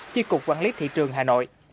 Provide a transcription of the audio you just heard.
chi cục quản lý thị trường hà nội